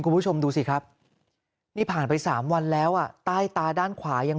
คุณผู้ชมดูสิครับนี่ผ่านไป๓วันแล้วอ่ะใต้ตาด้านขวายัง